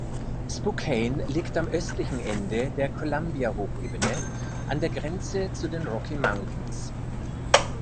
Spokane liegt am östlichen Ende der Columbia-Hochebene an der Grenze zu den Rocky Mountains.